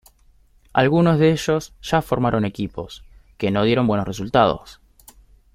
Algunos de ellos ya formaron equipos que no dieron buenos resultados.